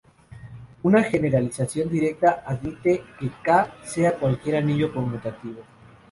Una generalización directa admite que "K" sea cualquier anillo conmutativo.